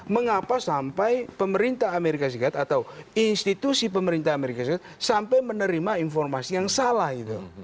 mengapa sampai pemerintah amerika serikat atau institusi pemerintah amerika serikat sampai menerima informasi yang salah itu